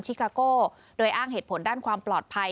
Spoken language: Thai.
กาโก้โดยอ้างเหตุผลด้านความปลอดภัย